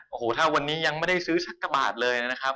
โอ้โหถ้าวันนี้ยังไม่ได้ซื้อสักกระบาทเลยนะครับ